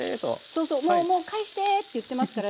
そうそう「もうもう返して」って言ってますからね。